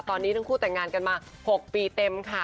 ตอนนี้ทั้งคู่แต่งงานกันมา๖ปีเต็มค่ะ